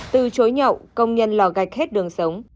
từ chối nhậu công nhân lò gạch hết đường sống